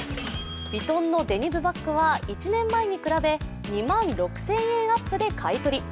ヴィトンのデニムバッグは１年前に比べ２万６０００円アップで買い取り。